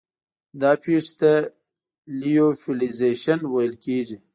دا پېښې ته لیوفیلیزیشن ویل کیږي.